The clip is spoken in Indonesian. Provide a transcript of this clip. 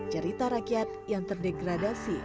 cerita rakyat yang terdegradasi